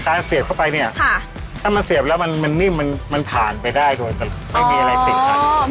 การเสียบเข้าไปเนี่ยถ้ามันเสียบแล้วมันนิ่มมันผ่านไปได้โดยไม่มีอะไรติดขัด